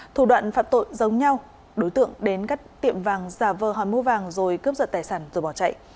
thủ đoạn phạm tội giống nhau đối tượng đến các tiệm vàng giả vờ hỏi mua vàng rồi cướp giật tài sản rồi bỏ chạy